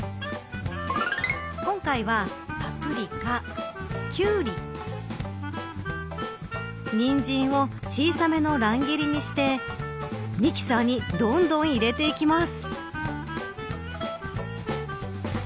今回はパプリカ、キュウリニンジンを小さめの乱切りにしてミキサーにどんどん入れていきます。